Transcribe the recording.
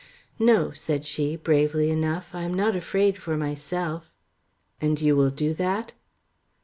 "No," said she, bravely enough. "I am not afraid for myself." "And you will do that?"